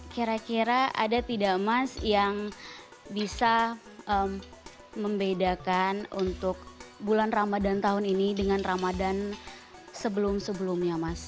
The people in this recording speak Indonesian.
kira kira ada tidak mas yang bisa membedakan untuk bulan ramadan tahun ini dengan ramadan sebelum sebelumnya mas